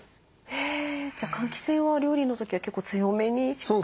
えじゃあ換気扇は料理の時は結構強めにしっかり？